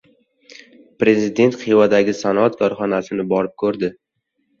Prezident Xivadagi sanoat korxonasini borib ko‘rdi